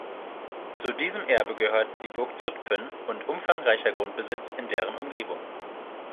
Zu diesem Erbe gehörten die Burg Zutphen und umfangreicher Grundbesitz in deren Umgebung.